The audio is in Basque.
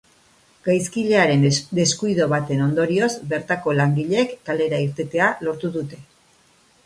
Gaizkilearen deskuidu baten ondorioz, bertako langileek kalera irtetea lortu dute.